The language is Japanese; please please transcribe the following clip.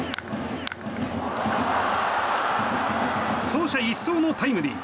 走者一掃のタイムリー。